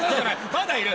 まだいる！